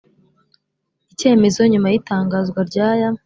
icyemezo nyuma y itangazwa ry aya